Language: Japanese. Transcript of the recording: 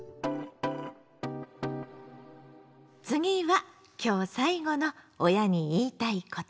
次は今日最後の「親に言いたいこと」。